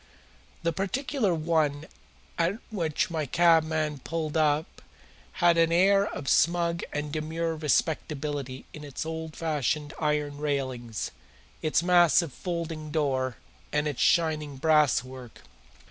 The particular one at which my cabman pulled up had an air of smug and demure respectability in its old fashioned iron railings, its massive folding door, and its shining brasswork.